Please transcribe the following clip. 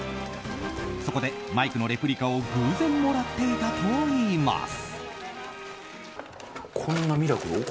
そこでマイクのレプリカを偶然もらっていたといいます。